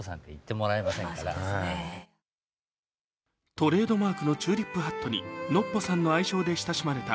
トレードマークのチューリップハットにノッポさんの愛称で親しまれた